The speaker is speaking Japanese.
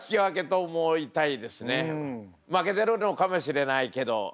負けてるのかもしれないけど。